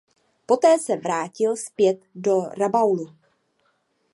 Poté se vrátil zpět do Rabaulu.